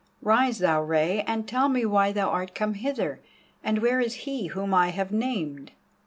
Rise thou, Rei, and tell me why thou art come hither, and where is he whom I have named?"